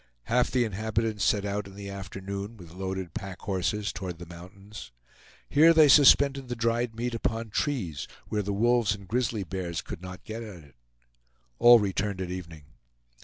Half the inhabitants set out in the afternoon, with loaded pack horses, toward the mountains. Here they suspended the dried meat upon trees, where the wolves and grizzly bears could not get at it. All returned at evening.